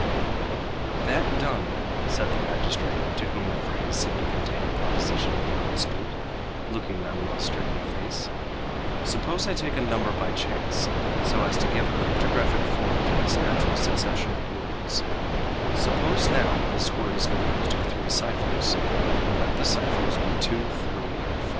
_ "That done," said the magistrate, to whom the phrase seemed to contain a proposition beyond dispute, looking Manoel straight in the face, "suppose I take a number by chance, so as to give a cryptographic form to this natural succession of words; suppose now this word is composed of three ciphers, and let these ciphers be 2, 3, and 4.